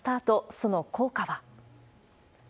その効果は。